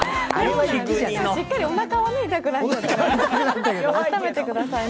しっかりおなかは痛くなって、あっためてくださいね。